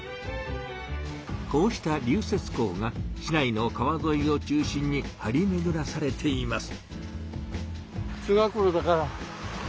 こうした流雪溝が市内の川ぞいを中心にはりめぐらされています。